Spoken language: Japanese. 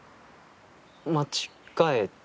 間違えて？